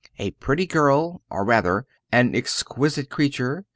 A pretty girl or rather "an exquisite creature!"